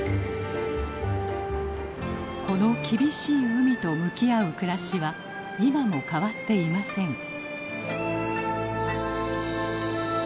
この厳しい海と向き合う暮らしは今も変わっていません。